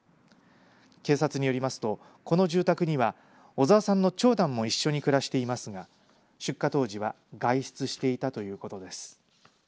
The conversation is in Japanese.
警察によりますと、この住宅には小澤さんの長男も一緒に暮らしていますが出火当時は外出していたということです。